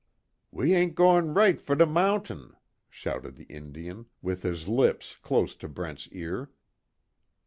"We ain' goin' right fer de mountaine," shouted the Indian, with his lips close to Brent's ear.